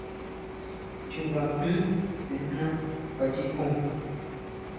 Chuba jín sʼejná kjuachikon.